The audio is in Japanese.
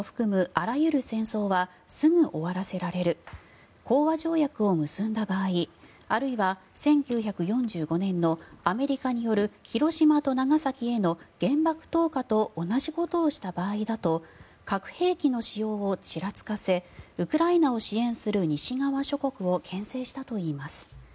あらゆる戦争はすぐ終わらせられる講和条約を結んだ場合あるいは１９４５年のアメリカによる広島と長崎への原爆投下と同じことをした場合だと核兵器の使用をちらつかせウクライナを支援する西側諸国をけん制したといいます。